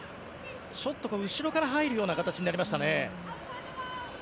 ちょっと後ろから入るような形になりましたね。